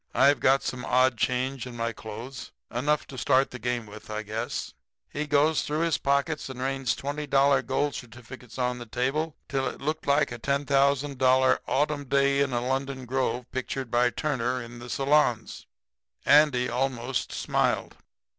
I've got some odd change in my clothes enough to start the game with, I guess.' "He goes through his pockets and rains $20 gold certificates on the table till it looked like a $10,000 'Autumn Day in a Lemon Grove' picture by Turner in the salons. Andy almost smiled.